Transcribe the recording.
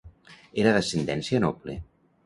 Era d'ascendència noble.